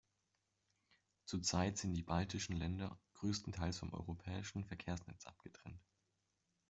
Zurzeit sind die baltischen Länder größtenteils vom europäischen Verkehrsnetz abgetrennt.